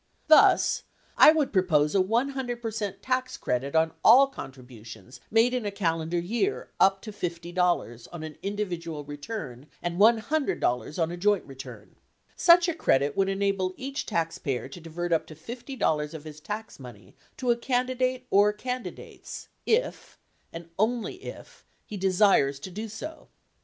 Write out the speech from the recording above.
Thus, I would propose a 100 percent tax credit on all con tributions made in a calendar year up to $50 on an individual return and $100 on a joint return. Such a credit would enable each taxpayer to divert up to $50 of his tax money to a candidate or candidates if, and only if, he desires to do so.